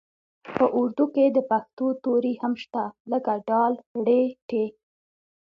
په اردو کې د پښتو توري هم شته لکه ډ ړ ټ